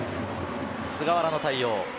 菅原の対応。